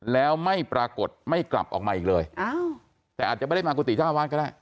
แล้วไม่ปรากฏไม่กลับออกมาอีกเลยอ้าวแต่อาจจะไม่ได้มากุติเจ้าวาดก็ได้